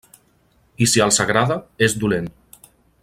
I si els agrada, és dolent.